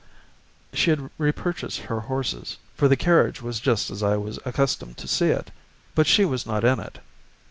She had repurchased her horses, for the carriage was just as I was accustomed to see it, but she was not in it.